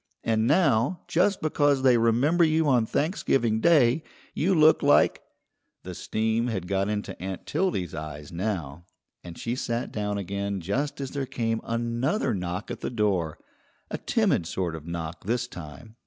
And now, just because they remember you on Thanksgiving Day, you look like " The steam had got into Aunt Tildy's eyes now, and she sat down again just as there came another knock at the door, a timid sort of knock this time.